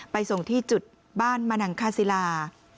ส่งที่จุดบ้านมะนังคาศิลา